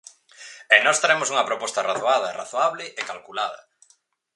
E nós traemos unha proposta razoada, razoable e calculada.